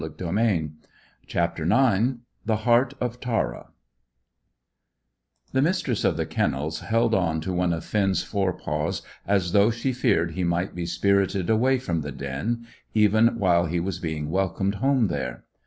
CHAPTER IX THE HEART OF TARA The Mistress of the Kennels held on to one of Finn's fore paws as though she feared he might be spirited away from the den, even while he was being welcomed home there.